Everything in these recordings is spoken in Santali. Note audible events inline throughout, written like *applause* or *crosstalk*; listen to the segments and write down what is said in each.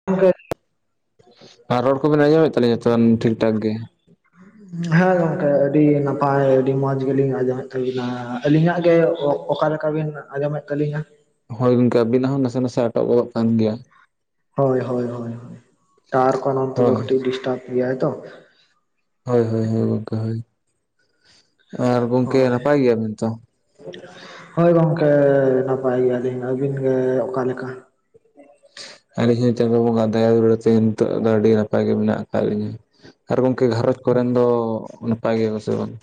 *unintelligible* ᱟᱨ ᱨᱚᱲ ᱠᱩᱵᱮᱱ ᱟᱸᱡᱚᱢᱮᱜ ᱛᱟᱹᱞᱤᱧᱟ ᱛᱚ ᱴᱷᱤᱠ ᱴᱷᱟᱠ ᱜᱮ? ᱦᱮᱸ ᱜᱚᱝᱠᱮ ᱟᱹᱰᱤ ᱱᱟᱯᱟᱭ ᱟᱹᱰᱤ ᱢᱚᱸᱡᱽ ᱜᱤᱞᱤᱧ ᱟᱸᱡᱚᱢᱮᱜ ᱛᱟᱹᱵᱤᱱᱟ, ᱟᱹᱞᱤᱧᱟᱜ ᱜᱮ ᱚ ᱚᱠᱟ ᱞᱮᱠᱟ ᱵᱤᱱ ᱟᱸᱡᱚᱢᱮᱜ ᱛᱟᱹᱞᱤᱧᱟ? ᱦᱳᱭ ᱜᱚᱝᱠᱮ ᱟᱹᱵᱤᱱᱟᱜ ᱦᱚᱸ ᱱᱟᱥᱮ ᱱᱟᱥᱮ ᱟᱴᱚᱜ ᱜᱚᱫᱚᱜ ᱠᱟᱱ ᱜᱤᱭᱟ᱾ ᱦᱳᱭ ᱦᱳᱭ ᱦᱳᱭ ᱴᱟᱣᱟᱨ ᱠᱚ ᱱᱚᱱᱛᱮ ᱫᱚ ᱦᱳᱭ ᱠᱟᱹᱴᱤᱡ ᱰᱤᱥᱴᱟᱵᱽ ᱜᱤᱭᱟᱭ ᱛᱚ᱾ ᱦᱳᱭ ᱦᱳᱭ ᱦᱳᱭ ᱜᱚᱝᱠᱮ ᱦᱳᱭ ᱾ ᱟᱨ ᱜᱚᱝᱠᱮ ᱦᱳᱭ ᱱᱟᱯᱟᱭ ᱜᱤᱭᱟ ᱵᱤᱱ ᱛᱚ? ᱦᱳᱭ ᱜᱚᱝᱠᱮ ᱱᱟᱯᱟᱭ ᱜᱤᱭᱟ ᱞᱤᱧ, ᱟᱹᱵᱤᱱ ᱜᱮ ᱚᱠᱟ ᱞᱮᱠᱟ? ᱟᱹᱞᱤᱧ ᱦᱚᱸ ᱪᱟᱸᱫᱳ ᱵᱚᱸᱜᱟ ᱫᱟᱭᱟ ᱫᱩᱲᱟᱹᱲ ᱛᱮ ᱱᱤᱛᱚᱜ ᱫᱚ ᱟᱹᱰᱤ ᱱᱟᱯᱟᱭ ᱜᱮ ᱢᱮᱱᱟᱜ ᱠᱟᱜ ᱞᱤᱧᱟ᱾ ᱟᱨ ᱜᱚᱝᱠᱮ ᱜᱷᱟᱨᱚᱧ ᱠᱚᱨᱮᱱ ᱫᱚ ᱱᱟᱯᱟᱭ ᱜᱤᱭᱟ ᱠᱚ ᱥᱮ ᱵᱟᱝ?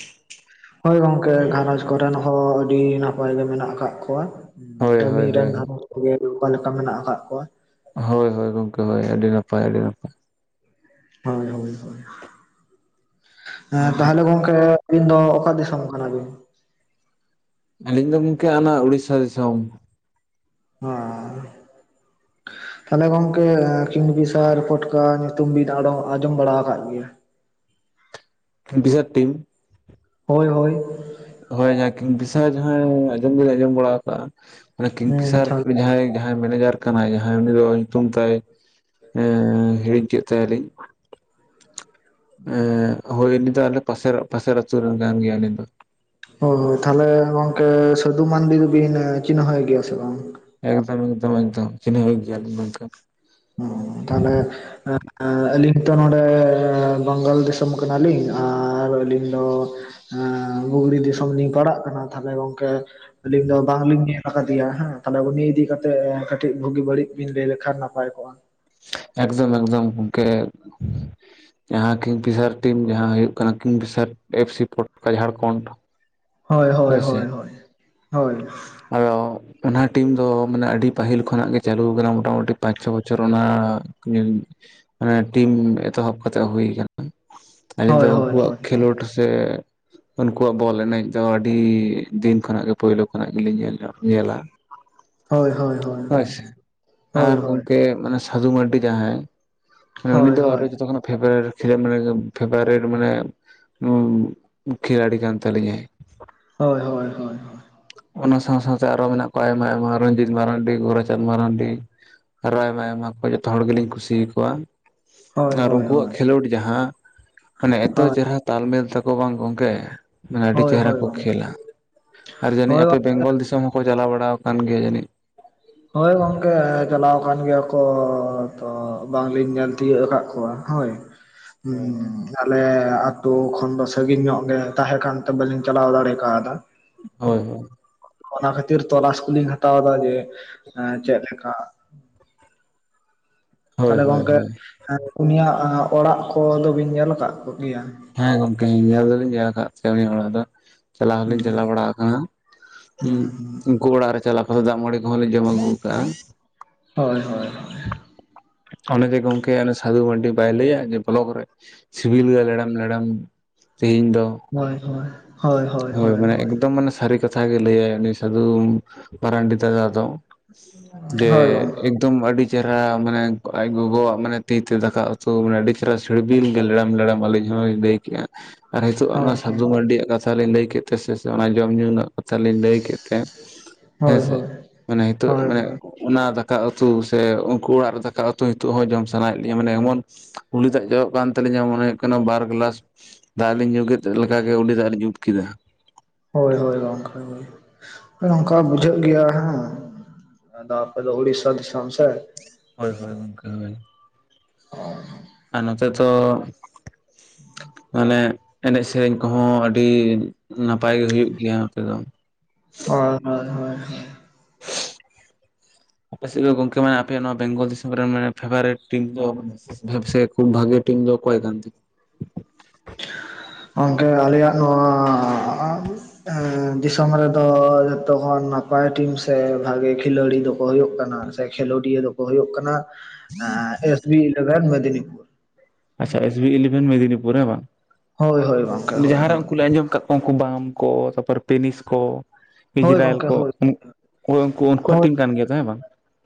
ᱦᱳᱭ ᱜᱚᱝᱠᱮ ᱜᱷᱟᱨᱚᱸᱡᱽ ᱠᱚᱨᱮᱱ ᱦᱚᱸ ᱟᱹᱰᱤ ᱱᱟᱯᱟᱭ ᱜᱮ ᱢᱮᱱᱟᱜ ᱠᱟᱜ ᱠᱚᱣᱟ᱾ ᱦᱳᱭ ᱩᱸ ᱦᱳᱭ ᱟᱹᱵᱤᱱ ᱦᱳᱭ ᱨᱮᱱ ᱜᱷᱟᱨᱚᱡᱽ ᱠᱚᱜᱮ ᱚᱠᱟ ᱞᱮᱠᱟ ᱢᱮᱱᱟᱜ ᱟᱠᱟᱜ ᱠᱚᱣᱟ? ᱦᱳᱭ ᱦᱳᱭ ᱜᱚᱝᱠᱮ ᱦᱳᱭ ᱟᱹᱰᱤ ᱱᱟᱯᱟᱭ ᱟᱹᱰᱤ ᱱᱟᱯᱟᱭ᱾ ᱦᱳᱭ ᱦᱳᱭ ᱦᱳᱭ ᱟᱨ ᱛᱟᱦᱚᱞᱮ ᱜᱚᱝ ᱠᱮ ᱟᱹᱵᱤᱱ ᱫᱚ ᱚᱠᱟ ᱫᱤᱥᱚᱢ ᱠᱟᱱᱟ ᱵᱤᱱ? ᱟᱹᱞᱤᱧ ᱫᱚ ᱜᱚᱝᱠᱮ ᱟᱱᱟ ᱩᱲᱤᱥᱥᱟ ᱫᱤᱥᱚᱢ᱾ *unintelligible* ᱛᱟᱦᱚᱞᱮ ᱜᱚᱝᱠᱮ ᱟᱨ ᱠᱤᱝ ᱯᱷᱤᱥᱟᱨ ᱯᱟᱴᱠᱟ ᱧᱩᱛᱩᱢ ᱵᱤᱱ ᱟᱲᱚ ᱟᱸᱡᱚᱢ ᱵᱟᱲᱟᱣ ᱠᱟᱜ ᱜᱤᱭᱟ? ᱵᱤᱥᱟᱨ ᱴᱤᱢ ᱦᱳᱭ ᱦᱳᱭ᱾ ᱦᱚᱭ ᱡᱟᱦᱟᱸ ᱠᱤᱝᱜᱽ ᱯᱷᱤᱥᱟᱨ ᱡᱟᱦᱟᱸᱭ ᱟᱸᱡᱚᱢ ᱫᱩᱞᱤᱧ ᱟᱸᱡᱚᱢ ᱵᱟᱲᱟᱣ ᱠᱟᱜ-ᱟ᱾ ᱢᱟᱱᱮ ᱦᱩᱸ ᱠᱤᱝᱠᱤᱥᱟᱨ ᱛᱟᱦᱚᱞᱮ ᱚ ᱡᱟᱦᱟᱸᱭ ᱡᱟᱦᱟᱸᱭ ᱢᱮᱱᱮᱡᱟᱨ ᱠᱟᱱᱟᱭ ᱡᱟᱦᱟᱸᱭ ᱩᱱᱤ ᱫᱚ ᱧᱩᱛᱩᱢ ᱛᱟᱭ ᱮᱸᱻ ᱦᱤᱲᱤᱧ ᱠᱮᱜ ᱛᱟᱭᱟ ᱞᱤᱧ᱾ ᱮᱸᱜᱻ ᱦᱳᱭ ᱩᱱᱤ ᱫᱚ ᱟᱞᱮ ᱯᱟᱥᱮᱨᱚᱜ ᱯᱚᱥᱮᱨ ᱟᱹᱛᱩ ᱨᱮᱱ ᱠᱟᱱ ᱜᱮᱭᱟᱭ ᱩᱱᱤ ᱫᱚ ᱾ ᱦᱳᱭ ᱛᱟᱦᱚᱞᱮ ᱜᱚᱝᱠᱮ ᱥᱟᱹᱫᱩ ᱢᱟᱱᱰᱤ ᱫᱩᱵᱤᱱ ᱪᱤᱱᱦᱟᱹᱣᱮ ᱜᱮᱭᱟ ᱥᱮ ᱵᱟᱝ? ᱮᱠᱫᱚᱢ ᱮᱠᱫᱚᱢ ᱮᱠᱫᱚᱢ ᱪᱤᱱᱦᱟᱹᱣᱤ ᱜᱤᱭᱟ ᱞᱤᱧ‌ ᱜᱚᱝᱠᱮ᱾ *unintelligible* ᱛᱟᱦᱚᱞᱮ ᱮᱸᱜ ᱮᱸ ᱟᱹᱞᱤᱧ ᱛᱚ ᱱᱚᱸᱰᱮ ᱵᱟᱝᱜᱟᱞ ᱫᱤᱥᱚᱢ ᱠᱟᱱᱟ ᱞᱤᱧ ᱟᱨ ᱟᱹᱞᱤᱧ ᱫᱚ ᱟᱸ ᱵᱩᱜᱽᱲᱤ ᱫᱤᱥᱚᱢ ᱞᱤᱧ ᱯᱟᱲᱟᱜ ᱠᱟᱱᱟ ᱛᱟᱦᱚᱞᱮ ᱜᱚᱝᱠᱮ ᱟᱹᱞᱤᱧ ᱫᱚ ᱵᱟᱝ ᱞᱤᱧ ᱧᱮᱞ ᱟᱠᱟ ᱫᱮᱭᱟ ᱦᱮᱸ ᱛᱟᱦᱚᱞᱮ ᱩᱱᱤ ᱤᱫᱤ ᱠᱟᱛᱮᱜ ᱠᱟᱹᱴᱤᱡ ᱵᱩᱜᱤ ᱵᱟᱹᱲᱤᱡ ᱵᱤᱱ ᱞᱟᱹᱭ ᱞᱮᱠᱷᱟᱱ ᱱᱟᱯᱟᱭ ᱠᱚᱜᱼᱟ᱾ ᱮᱠᱫᱚᱢ ᱮᱠᱫᱚᱢ ᱜᱚᱝᱠᱮ᱾ ᱡᱟᱦᱟᱸ ᱠᱤᱠᱝ ᱯᱷᱤᱥᱟᱨ ᱴᱤᱢ ᱡᱟᱦᱟᱸ ᱦᱩᱭᱩᱜ ᱠᱟᱱᱟ ᱠᱤᱝ ᱯᱷᱤᱥᱟᱨ ᱮᱯᱷ ᱥᱤ ᱯᱚᱴᱠᱟ ᱡᱷᱟᱲᱠᱷᱚᱸᱰ᱾ ᱦᱳᱭ ᱦᱳᱭ ᱦᱳᱭ ᱦᱳᱭ ᱦᱳᱭ᱾ ᱟᱫᱚ ᱚᱱᱟ ᱴᱤᱢ ᱫᱚ ᱢᱟᱱᱮ ᱟᱹᱰᱤ ᱯᱟᱹᱦᱤᱞ ᱠᱷᱚᱱᱟᱜ ᱜᱮ ᱪᱟᱹᱞᱩ ᱠᱟᱱᱟ ᱢᱚᱴᱟᱢᱩᱴᱤ ᱯᱟᱸᱪ ᱪᱷᱚ ᱵᱚᱪᱷᱚᱨ ᱚᱱᱟ *unintelligible* ᱴᱤᱢ ᱮᱛᱚᱦᱚᱵ ᱠᱟᱛᱮᱜ ᱦᱩᱭ ᱠᱟᱱᱟ᱾ ᱟᱹᱞᱤᱧ ᱦᱳᱭ ᱫᱚ ᱦᱳᱭ ᱩᱝᱠᱩᱣᱟᱜ ᱦᱳᱭ ᱦᱳᱭ ᱠᱷᱮᱞᱳᱰ ᱥᱮ ᱩᱱᱠᱩᱣᱟᱜ ᱵᱚᱞ ᱮᱱᱮᱡ ᱫᱚ ᱟᱹᱰᱤ ᱫᱤᱱ ᱠᱷᱚᱱᱟᱜ ᱜᱮ ᱯᱳᱭᱞᱳ ᱠᱷᱟᱱᱟᱜ ᱜᱮᱞᱤᱧ ᱧᱮᱞ ᱧᱮᱞᱟ᱾ ᱦᱳᱭ ᱦᱳᱭ ᱦᱳᱭ᱾ ᱦᱳᱭ ᱥᱮ ᱦᱳᱭ ᱟᱨ ᱦᱳᱭ ᱜᱚᱝᱠᱮ ᱢᱟᱱᱮ ᱥᱟᱫᱷᱩ ᱢᱟᱨᱰᱤ ᱡᱟᱦᱟᱸᱭ ᱦᱮᱸ ᱩᱱᱤ ᱦᱳᱭ ᱦᱳᱭ ᱦᱳᱭ ᱫᱚ ᱟᱨᱦᱚ ᱡᱚᱛᱚ ᱠᱷᱚᱱᱟᱜ ᱯᱷᱮᱵᱟᱨᱮᱴ ᱠᱷᱮᱞᱮᱱ ᱢᱟᱱᱮ ᱯᱷᱮᱵᱟᱨᱮᱴ ᱢᱟᱱᱮ ᱠᱷᱤᱞᱟᱲᱤ ᱠᱟᱱ ᱛᱟᱞᱤᱧᱟᱭ᱾ ᱦᱳᱭ ᱦᱳᱭ ᱦᱳᱭ ᱾ ᱚᱱᱟ ᱥᱟᱶ ᱥᱟᱶ ᱛᱮ ᱟᱨᱦᱚ ᱢᱮᱱᱟᱜ ᱠᱚᱣᱟ ᱟᱭᱢᱟ ᱟᱭᱢᱟ ᱨᱚᱡᱤᱛ ᱢᱟᱨᱟᱱᱰᱤ ᱜᱳᱟᱨᱪᱟᱸᱫᱽ ᱢᱟᱨᱟᱱᱰᱤ, ᱟᱨᱦᱚ ᱟᱭᱢᱟ ᱟᱭᱢᱟ ᱠᱚ ᱡᱚᱛᱚ ᱦᱚᱲ ᱜᱮᱞᱤᱧ ᱠᱩᱥᱤ ᱟᱠᱚᱣᱟ᱾ ᱦᱳᱭ ᱟᱨ ᱦᱳᱭ ᱦᱳᱭ ᱩᱝᱠᱩᱣᱟᱜ ᱠᱷᱮᱞᱳᱰ ᱡᱟᱦᱟᱸ, ᱢᱟᱱᱮ ᱮᱛᱚ ᱪᱮᱦᱨᱟ ᱛᱟᱞᱢᱮᱞ ᱛᱟᱠᱚ ᱵᱟᱝ ᱜᱚᱝᱠᱮ ᱾ ᱢᱟᱱᱮ ᱟᱹᱰᱤ ᱦᱳᱭ ᱦᱳᱭ ᱜᱚᱝᱠᱮ ᱦᱳᱭ ᱪᱮᱦᱨᱟ ᱠᱚ ᱜᱚᱝᱠᱮ ᱠᱷᱮᱞᱟ ᱟᱨ ᱡᱟᱹᱱᱤᱡ, ᱟᱯᱮ ᱵᱮᱝᱜᱚᱞ ᱫᱤᱥᱚᱢ ᱦᱚᱸᱠᱚ ᱪᱟᱞᱟᱣ ᱵᱟᱲᱟ ᱟᱠᱟᱱ ᱜᱮᱭᱟ ᱡᱟᱹᱱᱤᱡ? ᱦᱳᱭ ᱜᱚᱝᱠᱮ ᱪᱟᱞᱟᱣ ᱟᱠᱟᱱ ᱜᱮᱭᱟ ᱠᱚ ᱛᱚ ᱵᱟᱝ ᱞᱤᱧ ᱧᱮᱞ ᱛᱤᱭᱟᱹᱜ ᱟᱠᱟᱫ ᱠᱚᱣᱟ ᱦᱳᱭ᱾ ᱦᱳᱭ ᱦᱩᱸᱸᱸ ᱟᱞᱮ ᱟᱛᱩ ᱠᱷᱚᱱ ᱫᱚ ᱥᱟᱜᱤᱧ ᱧᱚᱜ ᱞᱮ ᱛᱟᱦᱮᱸ ᱠᱟᱱᱛᱮ ᱵᱟᱹᱞᱤᱧ ᱪᱟᱞᱟᱣ ᱫᱟᱲᱮ ᱠᱟᱣ ᱫᱟᱹ᱾ ᱦᱳᱭ ᱦᱳᱭ ᱚᱱᱟ ᱠᱷᱟᱹᱛᱤᱨ ᱛᱚᱞᱟᱥ ᱠᱩᱞᱤᱧ ᱦᱟᱛᱟᱣ ᱮᱫᱟ ᱡᱮ ᱪᱮᱫ ᱞᱮᱠᱟ ᱦᱳᱭ ᱛᱟᱦᱞᱮ ᱦᱳᱭ ᱜᱚᱝᱠᱮᱸ ᱦᱳᱭ ᱩᱱᱤᱭᱼᱟᱜ ᱚᱲᱟᱜ ᱠᱚ ᱫᱚ ᱵᱤᱱ ᱧᱮᱞ ᱟᱠᱟᱫ ᱠᱚ ᱜᱮᱭᱟ? ᱦᱮᱸ ᱜᱚᱝᱠᱮ ᱧᱮᱞ ᱫᱚᱞᱤᱧ ᱧᱮᱞ ᱟᱠᱟᱫ ᱛᱟᱭᱟ ᱩᱱᱤᱭᱟ ᱚᱲᱟᱜ ᱫᱚ᱾ ᱪᱟᱞᱟᱣ ᱦᱩᱸ ᱦᱚᱸᱞᱤᱧ ᱪᱟᱞᱟᱣ ᱵᱟᱲᱟ ᱟᱠᱟᱱᱟ ᱦᱸ᱾ ᱦᱩᱸ ᱩᱱᱠᱩ ᱚᱲᱟᱜ ᱨᱮ ᱪᱟᱞᱟᱣ ᱠᱟᱛᱮ ᱫᱟᱜ ᱢᱟᱹᱲᱤ ᱠᱚᱦᱚᱸ ᱞᱤᱧ ᱡᱚᱢ ᱟᱹᱜᱩ ᱟᱠᱟᱜᱼᱟ᱾ ᱦᱳᱭ ᱦᱳᱭ᱾ ᱚᱱᱮ ᱡᱮ ᱜᱚᱢᱠᱮ ᱥᱟᱫᱷᱩ ᱢᱟᱱᱰᱤ ᱵᱟᱭ ᱞᱟᱹᱭᱟ ᱵᱞᱚᱠ ᱨᱮ ᱥᱤᱵᱤᱞ ᱞᱮᱲᱟᱢ ᱞᱮᱲᱟᱢ ᱛᱤᱦᱮᱧ ᱫᱚ᱾ ᱦᱳᱭ ᱦᱳᱭ᱾ ᱦᱳᱭ ᱢᱟᱱᱮ ᱮᱫᱚᱢ ᱢᱟᱱᱮ ᱥᱟᱨᱤ ᱠᱟᱛᱷ ᱛᱷᱟ ᱜᱤ ᱞᱟᱹᱭᱟᱭ ᱩᱱᱤ ᱥᱟᱫᱷᱩ ᱢᱟᱨᱟᱱᱰᱤ ᱫᱟᱫᱟ ᱫᱚ ᱡᱮ ᱛᱩᱢ ᱟᱹᱰᱤ ᱪᱮᱦᱨᱟ ᱢᱟᱱᱮ ᱟᱡ ᱜᱚᱜᱚᱣᱟᱜ ᱢᱟᱱᱮ ᱛᱤᱛᱮ ᱫᱟᱠᱟ ᱩᱛᱩ ᱢᱟᱱᱮ ᱟᱹᱰᱤ ᱪᱮᱦᱮᱨᱟ ᱪᱷᱟᱹᱲᱵᱤᱞ ᱜᱮ ᱞᱮᱲᱮᱢ ᱞᱮᱲᱮᱢ ᱟᱹᱞᱤᱧ ᱦᱚᱸᱭ ᱞᱟᱹᱭ ᱠᱮᱜᱼᱟ᱾ ᱟᱨ ᱱᱤᱛᱚᱜ ᱚᱱᱟ ᱥᱟᱫᱷᱩ ᱢᱟᱨᱟᱱᱰᱤᱭᱟᱜ ᱠᱟᱛᱷᱟ ᱞᱤᱧ ᱞᱟᱹᱭ ᱠᱮᱫ ᱛᱮ ᱥᱮ ᱚᱱᱟ ᱡᱚᱢ ᱧᱩ ᱨᱮᱱᱟᱹᱜ᱾ ᱠᱟᱛᱷᱟ ᱞᱤᱧ ᱞᱟᱹᱭ ᱠᱮᱫ ᱛᱮ ᱦᱮᱸᱥᱮ ᱢᱟᱱᱮ ᱱᱤᱛᱚᱜ ᱢᱟᱱᱮ᱾ ᱚᱱᱟ ᱫᱟᱠᱟ ᱩᱛᱩ ᱥᱮ ᱩᱱᱠᱩ ᱚᱲᱟᱜ ᱨᱮ ᱫᱟᱠᱟ ᱩᱛᱩ ᱱᱤᱛᱚᱜ ᱦᱚᱸ ᱡᱚᱢ ᱥᱟᱱᱟᱭᱮᱫ ᱞᱤᱧᱟᱹ ᱢᱟᱱᱮ ᱮᱢᱚᱱ ᱩᱞᱤ ᱫᱟᱜ ᱡᱚᱨᱚᱜ ᱠᱟᱱ ᱛᱟᱹᱟᱞᱤᱧᱟ ᱢᱚᱱᱮ ᱦᱩᱭᱩᱜ ᱠᱟᱱᱟ ᱵᱟᱨ ᱜᱟᱞᱟᱥ ᱫᱟᱜ ᱞᱤᱧ ᱧᱩᱸ ᱠᱮᱫ ᱞᱮᱠᱟᱜ ᱜᱮ ᱩᱞᱤ ᱫᱟᱜ ᱞᱤᱧ ᱩᱫ ᱠᱮᱫᱟ᱾ ᱦᱳᱭ ᱦᱳᱭ ᱜᱚᱝᱠᱮ ᱜᱮ᱾ ᱚᱝᱠᱟ ᱵᱩᱡᱷᱟᱹᱜ ᱜᱮᱭᱟ ᱦᱮᱸ ᱟᱫᱚ ᱟᱯᱮ ᱫᱚ ᱩᱲᱤᱥᱟ ᱫᱤᱥᱚᱢ ᱥᱮ᱾ ᱦᱳᱭ ᱦᱳᱭ ᱜᱚᱝᱠᱮ ᱦᱳᱭ ᱟᱨ ᱱᱚᱛᱮ ᱫᱚ᱾ ᱢᱟᱱᱮ- ᱮᱱᱮᱡ ᱥᱮᱨᱮᱧ ᱠᱚ ᱦᱚᱸ ᱟᱹᱰᱤ ᱱᱟᱯᱟᱭ ᱜᱮ ᱦᱩᱭᱩᱜ ᱜᱮᱭᱟ ᱱᱚᱛᱮ ᱫᱚ᱾ ᱦᱳᱭ ᱦᱳᱭ ᱦᱳᱭ᱾ ᱟᱯᱮ ᱥᱮᱫ ᱫᱚ ᱜᱚᱝᱢᱠᱮ ᱢᱟ ᱟᱯᱮ ᱱᱚᱣᱟ ᱵᱮᱝᱜᱚᱞ ᱫᱤᱥᱚᱢ ᱨᱮᱱ ᱢᱟᱱᱮ ᱯᱷᱮᱵᱟᱨᱤᱮᱴ ᱴᱤᱢ ᱫᱚ ᱥᱮ ᱠᱷᱩᱵ ᱵᱷᱟᱜᱮ ᱴᱤᱢ ᱫᱚ ᱚᱠᱚᱭ ᱠᱚᱸᱛᱮ? ᱜᱚᱝᱠᱮ ᱟᱞᱮ ᱭᱟᱜ ᱫᱚ ᱣᱟᱸ ᱮᱸ ᱫᱤᱥᱚᱢ ᱨᱮ ᱫᱚ ᱡᱚᱛᱚᱠᱷᱚᱱ ᱱᱟᱯᱟᱭ ᱴᱤᱢ ᱥᱮ ᱵᱷᱟᱜᱮ ᱠᱷᱤᱞᱟᱹᱲᱤ ᱫᱚ ᱠᱚ ᱦᱩᱭᱩᱜ ᱠᱟᱱᱟ ᱥᱮ ᱠᱷᱮᱞᱳᱰᱤᱭᱟᱹ ᱫᱚ ᱠᱚ ᱦᱩᱭᱩᱜ ᱠᱟᱱᱟ ᱮᱥ. ᱵᱤ. ᱤᱞᱮᱵᱷᱮᱱ ᱢᱮᱫᱽᱱᱤᱯᱩᱨ᱾ ᱟᱪᱪᱷᱟ ᱮᱥ ᱵᱤ ᱤᱞᱮᱵᱷᱮᱱ ᱢᱮᱫᱽᱱᱤᱯᱩᱨ ᱦᱮᱸ ᱵᱟᱝ ᱦᱳᱭ, ᱦᱳᱭ, ᱜᱚᱝᱠᱮ ᱚᱸᱰᱮ ᱦᱳᱭ, ᱡᱟᱸᱦᱟᱨᱮ ᱦᱳᱭ, ᱩᱱᱠᱩ ᱞᱮ ᱟᱸᱡᱚᱢ ᱟᱠᱟᱫ ᱩᱱᱠᱩ ᱵᱟᱢ ᱠᱚ ᱛᱟᱯᱚᱨ ᱯᱮᱱᱤᱥ ᱠᱚ ᱦᱳᱭ ᱤᱡᱽᱨᱟᱭᱮᱞ ᱜᱚᱝᱠᱮ ᱠᱚ ᱦᱳᱭ, ᱩᱱ ᱦᱳᱭ ᱩᱱᱠᱩᱣᱟᱜ ᱦᱳᱭ, ᱴᱤᱢ ᱠᱟᱱ ᱜᱮᱭᱟ ᱛᱚ ᱦᱮᱸ ᱵᱟᱝ?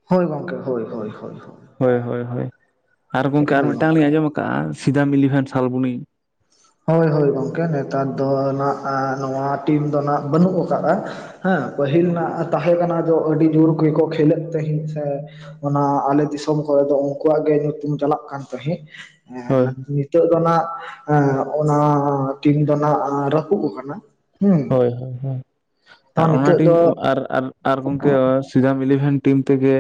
ᱦᱳᱭ ᱜᱚᱝᱠᱮ ᱦᱳᱭ ᱦᱳᱭ ᱦᱳᱭ᱾ ᱦᱳᱭ ᱦᱳᱭ ᱦᱳᱭ, ᱟᱨ ᱜᱚᱢᱠᱮ ᱟᱨ ᱦᱳᱭ ᱢᱤᱫᱴᱟᱝ ᱜᱚᱝᱠᱮ ᱞᱤᱧ ᱟᱸᱡᱚᱢ ᱟᱠᱟᱜᱼᱟ ᱥᱤᱫᱟᱢ ᱤᱞᱤᱵᱷᱮᱱ ᱥᱟᱞᱵᱚᱱᱤ? ᱦᱳᱭ ᱦᱳᱭ ᱜᱚᱝᱠᱮ ᱱᱮᱛᱟᱨ ᱫᱚ ᱱᱟᱜ ᱱᱚᱣᱟ ᱴᱤᱢ ᱫᱚ ᱱᱟᱜ ᱵᱟᱹᱱᱩᱜ ᱟᱠᱟᱫᱼᱟ᱾ ᱦᱮᱸ ᱯᱟᱹᱦᱤᱞ ᱨᱮᱱᱟᱜ ᱛᱟᱦᱮᱸ ᱠᱟᱱᱟ ᱫᱚ ᱟᱹᱰᱤ ᱡᱚᱨ ᱜᱮᱠᱚ ᱠᱷᱮᱞᱮᱜ ᱛᱟᱦᱮᱸᱫ ᱥᱮ ᱚᱱᱟ ᱟᱞᱮ ᱫᱤᱥᱚᱢ ᱠᱚᱨᱮ ᱫᱚ ᱩᱱᱠᱩᱣᱟᱜ ᱜᱮ ᱧᱩᱛᱩᱢ ᱪᱟᱞᱟᱜ ᱠᱟᱱ ᱛᱟᱦᱮᱸᱜ᱾ ᱦᱮᱸ ᱦᱳᱭ ᱱᱤᱛᱚᱜ ᱫᱚ ᱱᱟᱜ ᱮᱸ᱾ ᱚᱱᱟ ᱴᱤᱢ ᱫᱚ ᱱᱟᱜ ᱨᱟᱹᱯᱩᱜ ᱠᱟᱱᱟ ᱦᱩ᱾ ᱦᱳᱭ ᱦᱳᱭ ᱟᱨ ᱚᱱᱟ ᱴᱤᱢ ᱫᱚ ᱟᱨ ᱟᱨ ᱟᱨ ᱜᱚᱢᱠᱮ ᱥᱤᱫᱟᱢ ᱤᱞᱤᱵᱷᱮᱱ ᱴᱤᱢ ᱛᱮᱜᱮ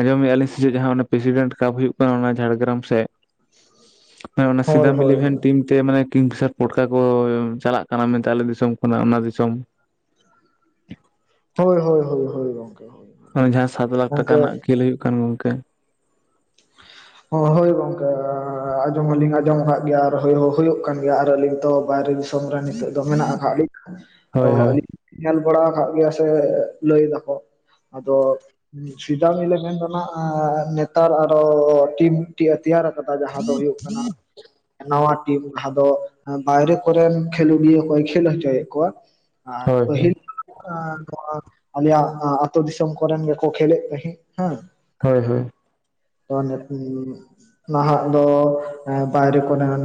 ᱟᱸᱡᱚᱢ ᱮᱜᱼᱟᱹᱞᱤᱧ ᱥᱮᱪᱮᱜ ᱡᱟᱦᱟᱸ ᱯᱨᱮᱥᱤᱰᱮᱱᱴ ᱠᱟᱯ ᱦᱩᱭᱩᱜ ᱠᱟᱱᱟ ᱚᱱᱟ ᱡᱷᱟᱲᱜᱨᱟᱢ ᱥᱮᱫ? *inaudible* ᱦᱮᱸ ᱚᱱᱟ ᱥᱤᱫᱟᱢ ᱦᱳᱭ ᱤᱞᱤᱵᱷᱮᱱ ᱴᱤᱢ ᱛᱮ ᱢᱟᱱᱮ ᱠᱤᱝ ᱯᱷᱮᱥᱟᱨ ᱯᱚᱴᱠᱟ ᱠᱚ ᱪᱟᱞᱟᱜ ᱠᱟᱱᱟ ᱢᱮᱱᱛᱮ ᱟᱞᱮ ᱫᱤᱥᱚᱢ ᱠᱷᱚᱱᱟᱜ ᱚᱱᱟ ᱫᱤᱥᱚᱢ᱾ ᱦᱳᱭ ᱦᱳᱭ ᱦᱳᱭ ᱜᱚᱝᱠᱮ᱾ ᱚᱱᱮ ᱡᱟᱦᱟᱸ ᱥᱟᱛ ᱞᱟᱠᱷ ᱴᱟᱠᱟ ᱜᱚᱝᱠᱮ ᱨᱮᱱᱟᱜ ᱠᱷᱮᱞ ᱦᱩᱭᱩᱜ ᱠᱟᱱ ᱜᱚᱝᱠᱮ ᱦᱳᱭ ᱦᱳᱭ ᱜᱚᱝᱠᱮ ᱟᱸᱡᱚᱢ ᱦᱚᱞᱤᱧ ᱟᱸᱡᱚᱢ ᱟᱠᱟᱫ ᱜᱮᱭᱟ ᱟᱨ ᱦᱳᱭ ᱦᱚ ᱦᱳᱭᱳᱜ ᱠᱟᱱ ᱜᱮᱭᱟ ᱟᱨ ᱟᱹᱞᱤᱧ ᱛᱚ ᱵᱟᱭᱨᱮ ᱫᱤᱥᱚᱢ ᱨᱮ ᱱᱤᱛᱚᱜ ᱫᱚ ᱢᱮᱱᱟᱜ ᱟᱠᱟᱫ ᱞᱤᱧᱟ ᱛᱚ ᱦᱳᱭ ᱦᱳᱭ ᱟᱞᱤᱧ ᱧᱮᱞ ᱵᱟᱲᱟᱣ ᱟᱠᱟᱜ ᱜᱮᱭᱟ ᱥᱮ ᱞᱟᱹᱭ ᱫᱟᱠᱚ ᱟᱫᱚ ᱥᱤᱫᱟᱢ ᱤᱞᱤᱵᱷᱮᱱ ᱫᱚ ᱱᱟᱜ ᱮᱸ ᱱᱮᱛᱟᱨ ᱟᱨ ᱴᱤᱢ ᱢᱤᱫᱴᱤᱡ ᱛᱮᱭᱟᱨ ᱟᱠᱟᱫᱟ ᱡᱟᱦᱟᱸ ᱫᱚ ᱦᱩᱭᱩᱜ ᱠᱟᱱᱟ ᱱᱟᱣᱟ ᱴᱤᱢ ᱡᱟᱦᱟᱸ ᱫᱚ ᱵᱟᱭᱨᱮ ᱠᱚᱨᱮᱱ ᱠᱷᱮᱞᱳᱰᱤᱭᱟᱹ ᱠᱚᱭ ᱠᱷᱮᱞ ᱦᱚᱪᱚᱭᱮᱫ ᱠᱚᱣᱟ ᱟᱨ ᱦᱳᱭ ᱦᱳᱭ ᱯᱟᱹᱦᱤᱞ ᱱᱚᱝᱠᱟ ᱫᱚ ᱟᱨ ᱟᱞᱮᱭᱟᱜ ᱟᱹᱛᱳ ᱫᱤᱥᱚᱢ ᱠᱚᱨᱮᱱ ᱜᱮᱠᱚ ᱠᱷᱮᱞᱮᱫ ᱛᱟᱦᱮᱸᱜ ᱦᱟᱸ ᱦᱳᱭ ᱦᱳᱭ ᱱᱟᱦᱟᱜ ᱫᱚ ᱵᱟᱭᱨᱮ ᱠᱚᱨᱮᱱ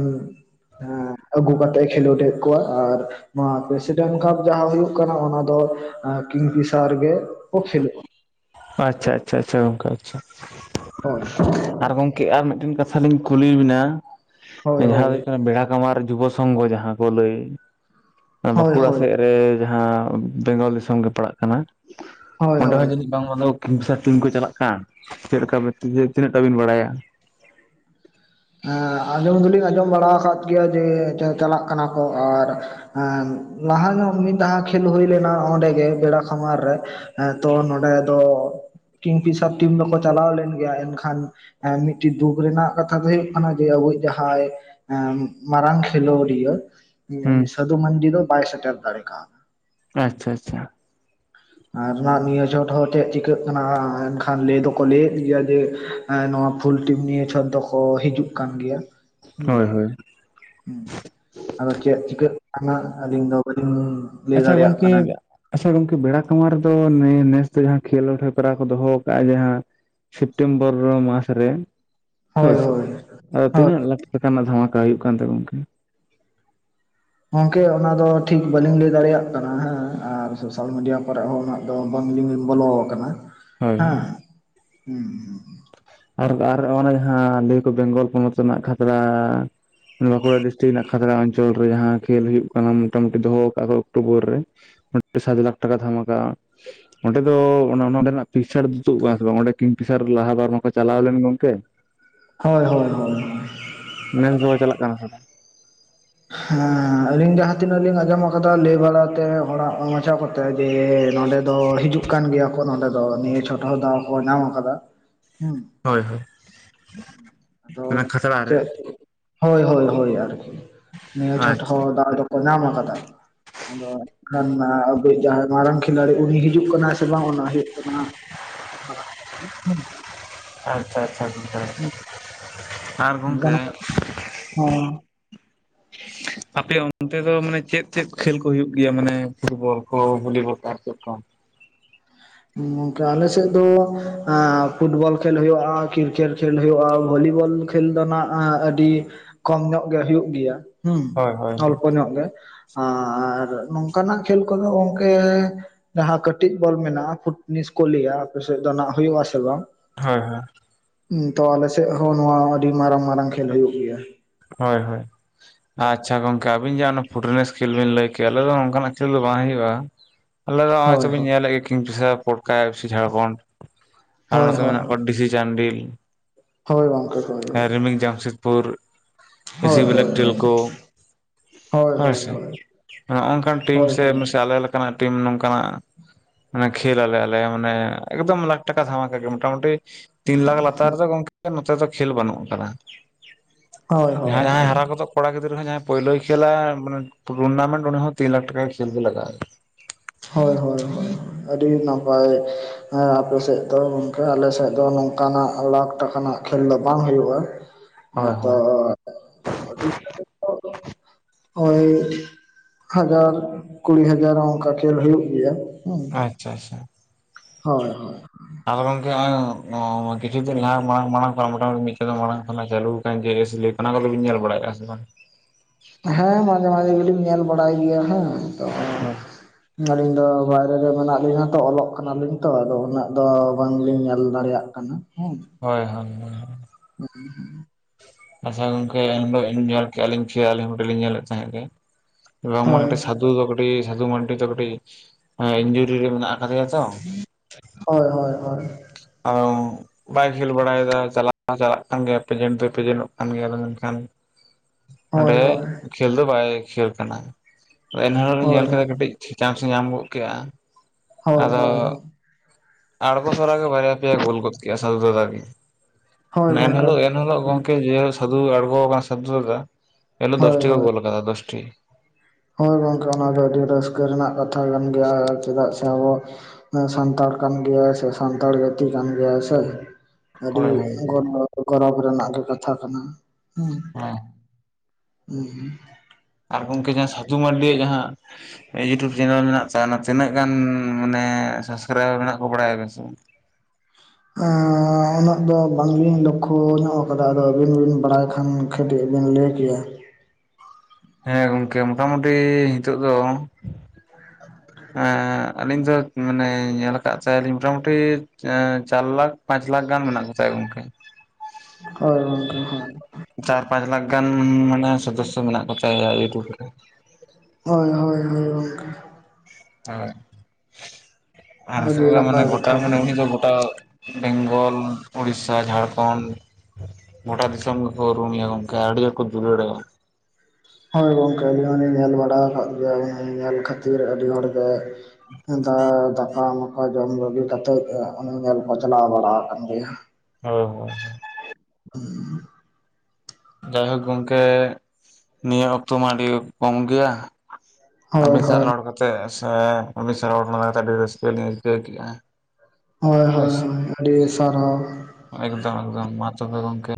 ᱟᱹᱜᱩ ᱠᱟᱛᱮᱜ ᱮ ᱠᱷᱮᱞᱳᱰᱮ ᱠᱚᱣᱟ ᱟᱨ ᱱᱚᱣᱟ ᱯᱨᱮᱥᱤᱰᱮᱱᱴ ᱠᱟᱯ ᱡᱟᱦᱟᱸ ᱦᱩᱭᱩᱜ ᱠᱟᱱᱟ ᱚᱱᱟ ᱫᱚ ᱠᱤᱝᱯᱷᱤᱥᱟᱨ ᱜᱮᱠᱚ ᱠᱷᱮᱞᱳᱜᱼᱟ ᱟᱪᱪᱷᱟ ᱟᱪᱷᱟ ᱟᱪᱷᱟ ᱜᱚᱝᱠᱮ ᱟᱪᱪᱷᱟ ᱦᱳᱭ ᱟᱨ ᱜᱚᱝᱠᱮ ᱟᱨ ᱢᱤᱫᱴᱮᱱ ᱠᱟᱛᱷᱟ ᱞᱤᱧ ᱠᱩᱞᱤ ᱵᱤᱱᱟ ᱦᱳᱭ ᱡᱟᱦᱟᱸ ᱫᱚ ᱦᱳᱭ ᱦᱩᱭᱩᱜ ᱠᱟᱱᱟ ᱵᱮᱲᱟ ᱠᱟᱷᱢᱟᱨ ᱡᱩᱵᱚ ᱥᱚᱸᱝᱜᱚ ᱡᱟᱦᱟᱸ ᱠᱚ ᱞᱟᱹᱭ ᱦᱳᱭ ᱵᱟᱸᱠᱩᱲᱟ ᱦᱳᱭ ᱥᱮᱫ ᱨᱮ ᱡᱟᱦᱟᱸ ᱵᱮᱝᱜᱚᱞ ᱫᱤᱥᱚᱢ ᱜᱮ ᱯᱟᱲᱟᱜ ᱠᱟᱱᱟ ᱦᱳᱭ ᱚᱸᱰᱮ ᱦᱚᱸ ᱦᱳᱭ ᱡᱟᱹᱱᱤᱡ ᱵᱟᱝ ᱫᱚ ᱠᱤᱝᱯᱷᱤᱥᱟᱨ ᱴᱤᱢ ᱠᱚ ᱪᱟᱞᱟᱜ ᱠᱟᱱ ᱪᱮᱫ ᱞᱮᱠᱟ ᱵᱮᱛᱤ ᱛᱤᱱᱟᱹᱜ ᱴᱟ ᱵᱤᱱ ᱵᱟᱲᱟᱭᱟ ᱦᱮᱸ ᱟᱸᱡᱚᱢ ᱫᱚᱞᱤᱧ ᱟᱸᱡᱚᱢ ᱵᱟᱲᱟ ᱟᱠᱟᱫ ᱜᱮᱭᱟ ᱡᱮ ᱪᱟᱞᱟᱜ ᱠᱟᱱᱟ ᱠᱚ ᱟᱨ ᱮ ᱞᱟᱦᱟ ᱧᱚᱜ ᱢᱤᱫ ᱫᱷᱟ ᱠᱷᱮᱞ ᱦᱩᱭ ᱞᱮᱱᱟ ᱚᱸᱰᱮᱜ ᱵᱮᱲᱟ ᱠᱷᱟᱢᱟᱨ ᱨᱮ ᱦᱮᱸ ᱛᱚ ᱱᱚᱸᱰᱮ ᱫᱚ ᱠᱤᱝᱯᱤᱥᱟᱨ ᱴᱤᱢ ᱫᱚᱠᱚ ᱪᱟᱞᱟᱣ ᱞᱮᱱ ᱜᱮᱭᱟ ᱮᱱᱠᱷᱟᱱ ᱢᱤᱫᱴᱤᱡ ᱫᱩᱠ ᱨᱮᱱᱟᱜ ᱠᱟᱛᱷᱟ ᱫᱚ ᱦᱩᱭᱩᱜ ᱠᱟᱱᱟ ᱡᱮ ᱟᱵᱚᱭᱤᱡ ᱡᱟᱦᱟᱸᱭ ᱢᱟᱨᱟᱝ ᱠᱷᱮᱞᱳᱰᱤᱭᱟᱹ ᱦᱩᱸ ᱥᱟᱫᱷᱩ ᱢᱟᱱᱰᱤ ᱫᱚ ᱵᱟᱭ ᱥᱮᱴᱮᱨ ᱫᱟᱲᱮ ᱠᱟᱣᱫᱟ ᱟᱪᱪᱷᱟ ᱟᱪᱪᱷᱟ ᱟᱨ ᱫᱷᱟᱣ ᱱᱤᱭᱟᱹ ᱪᱷᱚᱴ ᱦᱚᱸ ᱪᱮᱫ ᱪᱤᱠᱟᱹᱜ ᱠᱟᱱᱟ ᱮᱱᱠᱷᱟᱱ ᱞᱟᱹᱭ ᱫᱚᱠᱚ ᱞᱟᱹᱭᱮᱫ ᱜᱮᱭᱟ ᱡᱮ ᱮᱸ ᱱᱚᱣᱟ ᱯᱷᱩᱞ ᱴᱤᱢ ᱱᱤᱭᱮ ᱪᱷᱚᱴ ᱫᱚᱠᱚ ᱦᱤᱡᱩᱜ ᱠᱟᱱ ᱜᱮᱭᱟ ᱦᱩᱸ ᱦᱳᱭ ᱦᱳᱭ ᱦᱩ ᱟᱫᱚ ᱪᱮᱫ ᱪᱤᱠᱟᱹᱜ ᱠᱟᱱᱟ ᱟᱹᱞᱤᱧ ᱫᱚ ᱵᱟᱹᱞᱤᱧ ᱞᱟᱹᱭ ᱟᱪᱪᱷᱟ ᱫᱟᱲᱮᱭᱟᱜ ᱜᱚᱝᱠᱮ ᱠᱟᱱᱟ᱾ ᱟᱪᱪᱷᱟ ᱜᱚᱝᱠᱮ ᱵᱮᱲᱟ ᱠᱟᱷᱢᱟᱨ ᱨᱮᱫᱚ ᱱᱮᱥ ᱫᱚ ᱡᱟᱦᱟ ᱠᱷᱮᱞᱚᱸᱰ ᱦᱮᱯᱨᱟᱣ ᱠᱚ ᱫᱚᱦᱚ ᱟᱠᱟᱫᱼᱟ ᱡᱟᱦᱟᱸ ᱥᱮᱯᱴᱮᱢᱵᱚᱨ ᱢᱟᱥ ᱨᱮ ᱦᱳᱭ ᱦᱳᱭᱥᱮ ᱦᱳᱭ ᱟᱫᱚ ᱦᱳᱭ ᱛᱤᱱᱟᱹᱜ ᱞᱟᱠᱷ ᱴᱟᱠᱟ ᱨᱮᱱᱟᱜ ᱫᱷᱟᱢᱟᱠᱟ ᱦᱩᱭᱩᱜ ᱠᱟᱱ ᱛᱮ ᱜᱚᱝᱠᱮ? ᱜᱚᱝᱠᱮ ᱚᱱᱟ ᱫᱚ ᱴᱷᱤᱠ ᱵᱟᱹᱞᱤᱧ ᱞᱟᱹᱭ ᱫᱟᱲᱮᱭᱟᱜ ᱠᱟᱱᱟ ᱦᱮᱸ ᱟᱨ ᱥᱳᱥᱟᱞ ᱢᱤᱰᱤᱭᱟ ᱠᱚᱨᱮ ᱦᱚᱸ ᱟᱫᱚ ᱵᱟᱝᱞᱤᱧ ᱵᱚᱞᱚ ᱟᱠᱟᱱᱟ ᱦᱳᱭ ᱦᱮᱸ᱾ ᱦᱳᱭ ᱟᱨ ᱟᱨ ᱚᱱᱟ ᱡᱟᱦᱟᱸ ᱞᱟᱹᱭ ᱟᱠᱚ ᱵᱮᱝᱜᱚᱞ ᱯᱚᱱᱚᱛ ᱨᱮᱱᱟᱜ ᱠᱷᱟᱛᱨᱟ ᱵᱟᱸᱠᱩᱲᱟ ᱰᱤᱥᱴᱤᱠ ᱨᱮᱱᱟᱜ ᱠᱷᱟᱛᱲᱟ ᱟᱧ ᱚᱧᱪᱚᱞ ᱨᱮ ᱡᱟᱦᱟᱸ ᱠᱷᱮᱞ ᱦᱩᱭᱩᱜ ᱠᱟᱱᱟ ᱢᱚᱴᱟᱢᱩᱴᱤ ᱫᱚᱦᱚ ᱠᱟᱜ ᱠᱚ ᱚᱠᱴᱳᱵᱚᱨ ᱨᱮ *inaudible* ᱥᱟᱛ ᱞᱟᱠᱷ ᱴᱟᱠᱟ ᱫᱷᱟᱢᱟᱠᱟ ᱚᱸᱰᱮ ᱫᱚ ᱱᱚᱸᱰᱮᱱᱟᱜ ᱯᱤᱠᱥᱟᱨ ᱫᱚ ᱛᱩᱫ ᱟᱠᱟᱱᱟ ᱥᱮ ᱵᱟᱝ? ᱚᱸᱰᱮ ᱠᱤᱝᱯᱤᱥᱟᱨ ᱞᱟᱦᱟ ᱵᱟᱨ ᱢᱟᱠᱚ ᱪᱟᱞᱟᱣ ᱞᱮᱱ ᱜᱚᱝᱠᱮ᱾ ᱦᱳᱭ ᱦᱳᱭ ᱦᱳᱭ ᱱᱮᱥ ᱫᱚ ᱪᱟᱞᱟᱜ ᱠᱟᱱᱟ ᱥᱮ ᱵᱟᱝ? ᱦᱮᱸ ᱟᱞᱤᱧ ᱡᱟᱦᱟᱸ ᱛᱤᱱᱟᱹᱜ ᱞᱤᱧ ᱟᱸᱡᱚᱢ ᱟᱠᱟᱫᱟ ᱞᱟᱹᱭ ᱵᱟᱲᱟᱛᱮ ᱚᱲᱟᱜ ᱵᱟᱪᱷᱟᱣ ᱠᱟᱛᱮ ᱡᱮ ᱱᱚᱸᱰᱮ ᱫᱚ ᱦᱤᱡᱩᱜ ᱠᱟᱱ ᱜᱮᱭᱟ ᱠᱚ ᱱᱚᱸᱰᱮ ᱫᱚ ᱱᱤᱭᱟᱹ ᱪᱷᱳᱴ ᱦᱚᱸ ᱫᱟᱣ ᱠᱚ ᱧᱟᱢ ᱟᱠᱟᱫᱟ᱾ ᱦᱮᱸ ᱦᱳᱭ ᱦᱳᱭ ᱟᱫᱚ ᱚᱱᱟ ᱠᱷᱟᱛᱲᱟ ᱨᱮ ᱪᱮᱫ? ᱦᱳᱭ ᱦᱳᱭ ᱦᱳᱭ ᱟᱨᱠᱤ ᱱᱤᱭᱟᱹ ᱪᱷᱚᱴ ᱟᱪᱪᱷᱟ ᱦᱚᱸ ᱫᱟᱣ ᱫᱚᱠᱚ ᱧᱟᱢ ᱟᱠᱟᱫᱟ ᱟᱫᱚ ᱠᱷᱟᱱ ᱟᱵᱩᱤᱡ ᱡᱟᱦᱟᱸᱭ ᱢᱟᱨᱟᱝ ᱠᱷᱤᱞᱟᱲᱤ ᱩᱱᱤ ᱦᱤᱡᱩᱜ ᱠᱟᱱᱟ ᱥᱮ ᱵᱟᱝ ᱚᱱᱟ ᱦᱩᱭᱩᱜ ᱠᱟᱱᱟ ᱟᱪᱪᱷᱟ ᱟᱪᱪᱷᱟ ᱟᱪᱪᱷᱟ ᱦᱩᱸ ᱟᱨ ᱜᱚᱝᱠᱮ *unintelligible* ᱟᱯᱮ ᱚᱱᱛᱮ ᱫᱚ ᱢᱟᱱᱮ ᱪᱮᱫ ᱪᱮᱫ ᱠᱷᱮᱞ ᱠᱚ ᱦᱩᱭᱩᱜ ᱜᱮᱭᱟ ᱢᱟᱱᱮ ᱯᱷᱩᱴᱵᱚᱞ ᱠᱚ ᱵᱷᱚᱞᱤᱵᱚᱞ ᱠᱚ ᱟᱨ ᱪᱮᱫ ᱠᱚ? ᱜᱚᱝᱠᱟ ᱟᱞᱮ ᱥᱮᱫ ᱫᱚ ᱯᱷᱩᱴᱵᱚᱞ ᱠᱷᱮᱞ ᱦᱩᱭᱩᱜᱼᱟ ᱠᱨᱤᱠᱮᱴ ᱠᱷᱮᱞ ᱦᱳᱭᱳᱼᱟ ᱵᱷᱚᱞᱤᱵᱚᱞ ᱠᱷᱮᱞ ᱫᱚ ᱱᱟᱜ ᱟᱹᱰᱤ ᱠᱚᱢ ᱧᱚᱜ ᱜᱮ ᱦᱩᱭᱩᱜᱭ ᱜᱮᱭᱟ᱾ ᱦᱩᱸ ᱦᱳᱭ ᱦᱳᱭ ᱦᱳᱭ ᱚᱞᱯᱚ ᱧᱚᱜ ᱜᱮ᱾ ᱟᱨ ᱱᱚᱝᱠᱟᱱᱟᱜ ᱠᱷᱮᱞ ᱠᱚᱫᱚ ᱜᱚᱝᱠᱮ ᱡᱟᱦᱟᱸ ᱠᱟᱹᱴᱤᱡ ᱵᱚᱞ ᱢᱮᱱᱟᱜᱼᱟ ᱯᱷᱩᱴᱱᱤᱥ ᱠᱚ ᱞᱮᱭᱟ ᱟᱯᱮᱥᱮᱫ ᱫᱚ ᱱᱟᱜ ᱦᱩᱭᱩᱜ-ᱟ ᱥᱮ ᱵᱟᱝ? ᱦᱳᱭ ᱦᱳᱭ᱾ ᱛᱚ ᱟᱞᱮᱥᱮᱫ ᱦᱚᱸ ᱱᱚᱣᱟ ᱟᱹᱰᱤ ᱢᱟᱨᱟᱝ ᱢᱟᱨᱟᱝ ᱠᱷᱮᱞ ᱦᱩᱭᱩᱜ ᱜᱮᱭᱟ᱾ ᱦᱳᱭ ᱦᱳᱭ ᱟᱪᱪᱷᱟ ᱜᱚᱝ- -ᱠᱮ ᱟᱵᱤᱱ ᱡᱟᱦᱟᱸᱟ ᱯᱷᱩᱴᱱᱤᱥ ᱠᱷᱮᱞ ᱵᱤᱱ ᱞᱟᱹᱭ ᱠᱮᱜᱼᱟ ᱟᱞᱮ ᱫᱚ ᱚᱱᱠᱟᱱᱟᱜ ᱠᱷᱮᱞ ᱫᱚ ᱵᱟᱝ ᱦᱩᱭᱩᱜᱼᱟ᱾ ᱟᱞᱮ ᱫᱚ ᱦᱚᱼᱚᱭ ᱦᱳᱭ ᱛᱚ ᱵᱤᱱ ᱦᱳᱭ ᱧᱮᱞᱮᱫ ᱜᱮ ᱠᱤᱝᱯᱤᱥᱟ ᱯᱚᱴᱠᱟ ᱮᱥᱤ ᱡᱷᱟᱲᱠᱷᱚᱱᱰ ᱟᱨ ᱦᱳᱭ ᱱᱚᱛᱮ ᱦᱳᱭ ᱢᱮᱱᱟᱜ ᱠᱚᱣᱟ ᱰᱤᱥᱤᱡᱟᱱᱰᱤᱞ ᱦᱳᱭ ᱜᱚᱝᱠᱮ ᱦᱳᱭ ᱨᱤᱢᱤᱞ ᱡᱟᱢᱥᱮᱫᱽᱯᱩᱨ ᱮᱥᱤ ᱦᱳᱭ ᱦᱳᱭ ᱵᱮᱞᱟᱠ ᱦᱳᱭ ᱦᱳᱭ ᱴᱮᱞ ᱠᱚ ᱦᱳᱭ ᱦᱳᱭ ᱦᱳᱭᱥᱮ ᱱᱚᱜᱼᱚᱝᱠᱟᱱ ᱴᱤᱢ ᱦᱳᱭ ᱦᱳᱭ ᱥᱮ ᱟᱞᱮ ᱞᱮᱠᱟᱱᱟᱜ ᱴᱤᱢ ᱱᱚᱝᱠᱟᱱᱟᱜ ᱢᱟᱱᱮ ᱠᱷᱮᱞ ᱟᱞᱮ ᱢᱟᱱᱮ ᱮᱠᱫᱚᱢ ᱞᱟᱠᱷ ᱴᱟᱠᱟ ᱫᱷᱟᱢᱟᱠᱟ ᱜᱮ ᱢᱚᱴᱟᱢᱩᱴᱤ ᱛᱤᱱ ᱞᱟᱠᱷ ᱞᱟᱛᱟᱨ ᱨᱮᱫᱚ ᱜᱚᱝᱠᱮ ᱱᱚᱛᱮ ᱫᱚ ᱠᱷᱮᱞ ᱵᱟᱹᱱᱩᱜ ᱟᱠᱟᱫᱟ᱾ ᱦᱳᱭ ᱡᱟᱦᱟᱸᱭ ᱡᱟᱦᱟᱸᱭ ᱦᱟᱨᱟ ᱦᱳᱭ ᱜᱚᱫᱚᱜ ᱠᱚᱲᱟ ᱜᱤᱫᱽᱨᱟᱹ ᱦᱚᱸ ᱡᱟᱦᱟᱸᱭ ᱯᱳᱭᱞᱳᱭ ᱠᱷᱮᱞᱟ ᱢᱟᱱᱮ ᱴᱩᱨᱱᱟᱢᱮᱱᱴ ᱩᱱᱤ ᱦᱚᱸ ᱛᱤᱱ ᱞᱟᱠᱷ ᱴᱟᱠᱟ ᱠᱷᱮᱞ ᱜᱮ ᱞᱟᱜᱟᱣᱮᱭᱟ᱾ ᱦᱳᱭ ᱦᱳᱭ ᱟᱹᱰᱤ ᱱᱟᱯᱟᱭ ᱦᱮᱸ ᱟᱯᱮ ᱥᱮᱫ ᱫᱚ ᱜᱚᱝᱠᱮ ᱟᱞᱮ ᱥᱮᱫ ᱫᱚ ᱱᱚ ᱼᱝ ᱠᱟᱱ-ᱟᱜ ᱞᱟᱠᱷ ᱴᱟᱠᱟ ᱱᱟᱜ ᱠᱷᱮᱞ ᱫᱚ ᱵᱟᱝ ᱦᱩᱭᱩᱜᱼᱟ ᱦᱳᱭ ᱛᱚ ᱦᱳᱭ *inaudible* ᱦᱳᱭ ᱦᱟᱡᱟᱨ ᱠᱩᱲᱤ ᱦᱟᱡᱟᱨ ᱚᱱᱠᱟ ᱠᱷᱮᱞ ᱦᱩᱭᱩᱜ ᱜᱮᱭᱟ ᱦᱩᱸ᱾ ᱟᱪᱪᱷᱟ ᱟᱪᱪᱷᱟ ᱦᱳᱭ ᱦᱳᱭ ᱟᱫᱚ ᱜᱚᱝᱠᱮ ᱦᱚᱼᱚᱭ ᱠᱤᱪᱷᱩ ᱫᱤᱱ ᱞᱟᱦᱟ ᱢᱟᱲᱟᱝ ᱢᱟᱲᱟᱝ ᱢᱟᱨᱚᱢ ᱢᱚᱴᱟ-ᱢᱩᱴᱤ ᱢᱤᱫ ᱪᱟᱸᱫᱚ ᱢᱟᱲᱟᱝ ᱠᱷᱚᱱᱟᱜ ᱪᱟᱹᱞᱩ *unintelligible* ᱚᱱᱟ ᱠᱚᱫᱚ ᱵᱤᱱ ᱧᱮᱞ ᱵᱟᱲᱟᱭᱮᱫᱼᱟ ᱥᱮ ᱵᱟᱝ? ᱦᱮᱸ ᱢᱟᱡᱷᱮ ᱢᱟᱡᱷᱮ ᱫᱩᱞᱤᱧ ᱧᱮᱞ ᱵᱟᱲᱟᱭ ᱜᱮᱭᱟ ᱦᱮᱸ᱾ ᱦᱚ ᱟᱹᱞᱤᱧ ᱫᱚ ᱵᱟᱭᱨᱮ ᱨᱮ ᱢᱮᱱᱟᱜ ᱞᱤᱧᱟ ᱛᱚ ᱚᱞᱚᱜ ᱠᱟᱱᱟᱞᱤᱧ ᱛᱚ ᱟᱫᱚ ᱩᱱᱟᱹᱜ ᱫᱚ ᱵᱟᱝᱞᱤᱧ ᱧᱮᱞ ᱫᱟᱲᱮᱭᱟᱜ ᱠᱟᱱᱟ ᱦᱮᱸ ᱦᱳᱭ ᱦᱳᱭ ᱦᱳᱭ *unintelligible* ᱟᱪᱪᱷᱟ ᱜᱚᱝᱠᱮ ᱩᱱᱦᱤᱞᱚᱜ ᱤᱧ ᱧᱮᱞ ᱠᱮᱜ-ᱟ ᱞᱤᱧ ᱠᱷᱮᱞ ᱧᱮᱞᱮᱫ ᱛᱟᱦᱮᱸᱫ ᱜᱮ ᱦᱳᱭ *unintelligible* ᱥᱟᱫᱩ ᱫᱚ ᱠᱟᱹᱴᱤᱡ ᱥᱟᱫᱷᱩ ᱢᱟᱱᱰᱤ ᱫᱚ ᱠᱟᱹᱴᱤᱡ ᱤᱧᱡᱩᱨᱤ ᱨᱮ ᱢᱮᱱᱟᱜ ᱟᱠᱟᱫᱮᱭᱟ ᱛᱚ ᱦᱳᱭ ᱦᱳᱭ ᱦᱳᱭ ᱚ ᱵᱟᱭᱤᱠ ᱠᱷᱮᱞ ᱵᱟᱲᱟᱭᱮᱫ ᱪᱟᱞᱟᱜ ᱪᱟᱞᱟᱜ ᱠᱟᱱ ᱜᱮᱭᱟ ᱯᱮᱡᱮᱱᱴ ᱫᱚ ᱯᱮᱡᱮᱱ-ᱚᱜ ᱠᱟᱱ ᱜᱮᱭᱟ ᱢᱮᱱᱠᱷᱟᱱ ᱦᱳᱭ ᱚᱸᱰᱮ ᱦᱳᱭ ᱠᱷᱮᱞ ᱫᱚ ᱵᱟᱭ ᱠᱷᱮᱞ ᱠᱟᱱᱟ ᱮᱱᱦᱤᱞᱳᱜ ᱞᱤᱧ ᱦᱳᱭ ᱧᱮᱞ ᱠᱮᱫᱟ ᱠᱟᱹᱴᱤᱡ ᱪᱟᱱᱥ ᱮ ᱧᱟᱢ ᱜᱚᱫ ᱠᱮᱫᱟ ᱦᱳᱭ ᱦᱳᱭ ᱦᱳᱭ ᱟᱲᱳ ᱛᱚᱨᱟᱜ ᱜᱮ ᱵᱟᱨᱭᱟ ᱯᱮᱭᱟ ᱜᱳᱞ ᱜᱚᱫ ᱠᱮᱫᱟ ᱥᱟᱫᱷᱩ ᱫᱟᱫᱟ ᱜᱮ ᱦᱳᱭ ᱢᱟᱱᱮ ᱜᱚᱝᱠᱮ ᱮᱱᱦᱤᱞᱳᱜ ᱮᱱᱦᱤᱞᱳᱜ ᱜᱚᱝᱠᱮ ᱡᱮᱦᱳᱜ ᱥᱟᱫᱩ ᱟᱲᱜᱚ ᱠᱟᱱᱟ ᱥᱟᱫᱩ ᱫᱟᱫᱟ ᱮᱱᱦᱤᱞᱳᱜ ᱦᱳᱭ ᱫᱚᱥᱴᱤ ᱠᱚ ᱦᱳᱭ ᱜᱳᱞ ᱞᱟᱫᱟ ᱫᱚᱥᱴᱤ ᱦᱳᱭ ᱜᱚᱝᱠᱮ ᱚᱱᱟ ᱫᱚ ᱟᱹᱰᱤ ᱨᱟᱹᱥᱠᱟᱹ ᱨᱮᱱᱟᱜ ᱠᱟᱛᱷᱟ ᱠᱟᱱ ᱜᱮᱭᱟ ᱪᱮᱫᱟᱜ ᱥᱮ ᱟᱵᱚ ᱥᱟᱱᱛᱟᱲ ᱠᱟᱱ ᱜᱮᱭᱟᱭ ᱥᱮ ᱥᱟᱱᱛᱟᱲ ᱡᱟᱹᱛᱤ ᱠᱟᱱ ᱜᱮᱭᱟᱭ ᱥᱮ ᱟᱹᱰᱤ ᱦᱳᱭ ᱦᱳᱭ ᱜᱚᱨᱚ ᱜᱚᱨᱚᱵᱽ ᱨᱮᱱᱟᱜ ᱜᱮ ᱠᱟᱛᱷᱟ ᱠᱟᱱᱟ, ᱦᱮᱸ ᱦᱩᱸ ᱟᱨ ᱜᱚᱝᱠᱮ ᱡᱟᱦᱟᱸ ᱥᱟᱫᱷᱩ ᱢᱟᱱᱰᱤᱭᱟᱜ ᱡᱟᱦᱟᱸ ᱭᱩᱴᱩᱯ ᱪᱮᱱᱮᱞ ᱢᱮᱱᱟᱜ ᱛᱟᱭᱟ ᱚᱱᱟ ᱛᱤᱱᱟᱹᱜ ᱜᱟᱱ ᱢᱟᱱᱮ ᱥᱟᱥᱠᱨᱟᱭᱵᱟᱨ ᱢᱮᱱᱟᱜ ᱠᱚ ᱵᱟᱲᱟᱭᱟᱵᱤᱱ ᱥᱮ ᱵᱟᱝ? ᱟᱻ ᱩᱱᱟᱹᱜ ᱫᱚ ᱵᱟᱝᱞᱤᱧ ᱞᱩᱠᱷᱩ ᱧᱚᱜ ᱟᱠᱟᱫᱟ ᱟᱫᱚ ᱟᱹᱵᱤᱱ ᱵᱤᱱ ᱵᱟᱲᱟᱭ ᱠᱷᱟᱱ ᱠᱟᱹᱴᱤᱡᱵᱤᱱ ᱞᱟᱹᱭ ᱠᱮᱭᱟ᱾ ᱦᱮᱸ ᱜᱚᱝᱠᱮ ᱢᱚᱴᱟᱢᱩᱴᱤ ᱱᱤᱛᱚᱜ ᱫᱚ ᱮᱸᱻ ᱟᱞᱤᱧ ᱫᱚ ᱢᱟᱱᱮ ᱧᱮᱞ ᱟᱠᱟᱫ ᱛᱟᱭᱟᱞᱤᱧ ᱢᱚᱴᱟᱢᱩᱴᱤ ᱪᱟᱨ ᱞᱟᱠᱷ ᱯᱟᱸᱪ ᱞᱟᱠᱷ ᱜᱟᱱ ᱢᱮᱱᱟᱜ ᱠᱚᱛᱟᱭᱟ ᱜᱚᱝᱠᱮ᱾ ᱦᱚᱭ ᱜᱚᱝᱠᱮ ᱦᱚᱭ᱾ ᱪᱟᱨ ᱯᱟᱸᱪ ᱞᱟᱠᱷ ᱜᱟᱱ ᱢᱟᱱᱮ ᱥᱚᱫᱚᱥᱚ ᱢᱮᱱᱟᱜ ᱠᱚᱛᱟᱭᱟ ᱤᱭᱩᱴᱩᱵᱽ ᱨᱮ᱾ ᱦᱚᱭ ᱦᱚᱭ ᱦᱚᱭ ᱜᱚᱝᱠᱮ᱾ ᱟᱨ ᱟᱹᱰᱤ ᱟᱥᱚᱞᱮ ᱢᱟᱱᱮ ᱱᱟᱯᱟᱭ ᱜᱷᱚᱴᱟ ᱠᱟᱛᱷᱟ ᱢᱟᱱᱮ ᱠᱟᱱᱟ ᱩᱱᱤ ᱫᱚ ᱜᱚᱴᱟ ᱵᱮᱝᱜᱚᱞ ᱩᱲᱤᱥᱟ ᱡᱷᱟᱨᱠᱷᱚᱸᱱᱰ ᱜᱚᱴᱟ ᱫᱤᱥᱚᱢ ᱜᱮᱠᱚ ᱩᱨᱩᱢ ᱮᱭᱟ ᱜᱚᱝᱠᱮ ᱟᱹᱰᱤ ᱦᱚᱲ ᱠᱚ ᱫᱩᱞᱟᱹᱲᱟᱭᱟ᱾ ᱦᱚᱭ ᱜᱚᱝᱠᱮ ᱟᱹᱰᱤ ᱦᱚᱲᱤᱧ ᱧᱮᱞ ᱵᱟᱲᱟ ᱟᱠᱟᱫ ᱜᱮᱭᱟ ᱧᱮᱞ ᱠᱷᱟᱹᱛᱤᱨ ᱟᱹᱰᱤ ᱦᱚᱲ ᱜᱮ ᱦᱮᱸᱫᱟ ᱫᱟᱠᱟ ᱢᱟᱠᱟ ᱡᱚᱢ ᱵᱟᱹᱜᱤ ᱠᱟᱛᱮᱜ ᱩᱱᱤ ᱧᱮᱞ ᱠᱚ ᱪᱞᱟᱣ ᱵᱟᱲᱟ ᱟᱠᱟᱱ ᱜᱮᱭᱟ᱾ ᱦᱚᱭ ᱦᱚᱭ᱾ *inaudible* ᱡᱟᱭᱦᱩᱠ ᱜᱚᱝᱠᱮ ᱱᱤᱭᱟᱹ ᱚᱠᱛᱚ ᱢᱟ ᱟᱹᱰᱤ ᱠᱚᱢ ᱜᱮᱭᱟ᱾ ᱦᱳᱭ ᱟᱹᱵᱤᱱ ᱥᱟᱜ ᱦᱳᱭ ᱨᱚᱲ ᱠᱟᱛᱮᱜ ᱥᱮ ᱟᱹᱵᱤᱱ ᱥᱟᱶ ᱨᱚᱲ ᱞᱟᱫᱟ ᱠᱟᱛᱮ ᱟᱹᱰᱤ ᱨᱟᱹᱥᱠᱟᱹ ᱞᱤᱧ ᱟᱹᱭᱠᱟᱹᱣ ᱠᱮᱜ-ᱟ᱾ ᱦᱚᱭ ᱦᱚᱭ ᱦᱚᱭ ᱟᱹᱰᱤ ᱥᱟᱨᱦᱟᱣ᱾ ᱮᱠᱫᱚᱢ ᱮᱠᱫᱚᱢ ᱢᱟ ᱛᱚᱵᱮ ᱜᱚᱝᱠᱮ